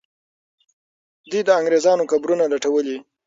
دوی د انګریزانو قبرونه لټولې.